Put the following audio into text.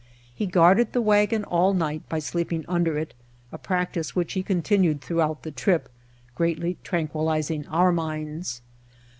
He guarded the wagon all night by sleeping under it, a practice which he continued throughout the trip, greatly tranquil izing our minds.